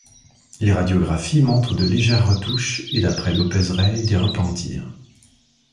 Les radiographies montrent de légères retouches, et d'après López-Rey, des repentirs.